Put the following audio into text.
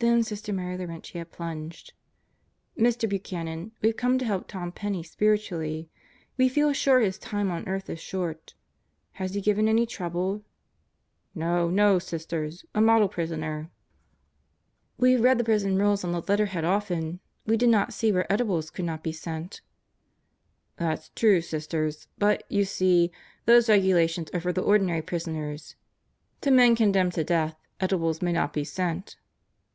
Then Sister Mary Laurentia plunged: "Mr. Buchanan, we've come to help Tom Penney spiritually. We feel sure his time on earth is short. Has he given any trouble?" "No. No, Sisters, A model prisoner." 68 God Goes to Murderers Row e read the prison rules on the letterhead often. We did not see where edibles could not be sent." "That's true, Sisters. But you see, those regulations are for the ordinary prisoners. To men condemned to death, edibles may not be sent."